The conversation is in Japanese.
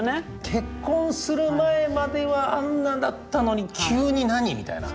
結婚する前まではあんなだったのに急に何？みたいな。